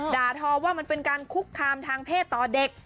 ทอว่ามันเป็นการคุกคามทางเพศต่อเด็ก